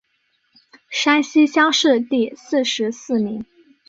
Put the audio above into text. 山西乡试第四十四名。